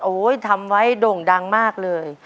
โอ้ยทำไว้ด่งดังมากเลย